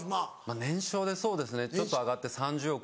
年商でそうですねちょっと上がって３０億は。